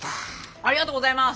ありがとうございます。